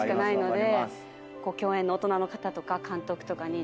共演の大人の方とか監督とかに。